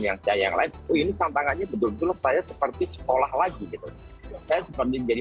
yang saya yang lain ini tantangannya betul betul saya seperti sekolah lagi gitu saya seperti menjadi